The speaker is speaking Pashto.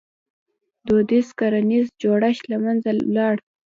• دودیز کرنیز جوړښت له منځه ولاړ.